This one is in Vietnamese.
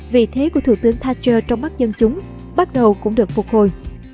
vị thế của thủ tướng thatcher trong mắt dân chúng bắt đầu cũng được phục hồi